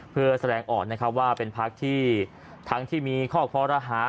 เพื่อแสดงออกนะครับว่าเป็นพักที่ทั้งที่มีข้อคอรหา